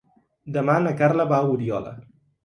Demà na Carla va a Oriola.